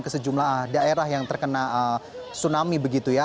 ke sejumlah daerah yang terkena tsunami begitu ya